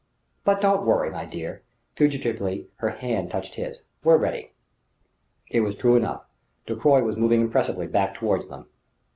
"But don't worry, my dear!" Fugitively her hand touched his. "We're ready." It was true enough: Ducroy was moving impressively back toward them.